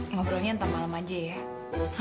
ngobrolnya ntar malam aja ya